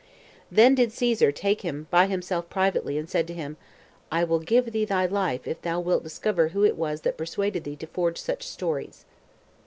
Then did Caesar take him by himself privately, and said to him, "I will give thee thy life, if thou wilt discover who it was that persuaded thee to forge such stories."